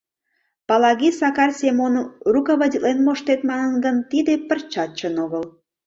Палаги Сакар Семоным «руководитлен моштет» манын гын, тиде пырчат чын огыл.